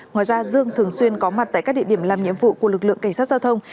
ngoài ra dương thường xuyên có mặt tại các địa điểm làm nhiệm vụ của lực lượng cảnh sát giao thông